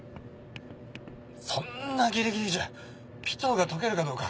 そんなぎりぎりじゃピトーが溶けるかどうか。